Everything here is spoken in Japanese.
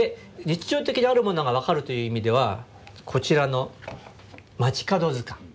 日常的にあるものが分かるという意味ではこちらの「街角図鑑」。